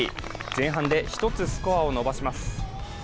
前半で１つスコアを伸ばします。